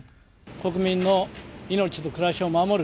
国民の命と暮らしを守る。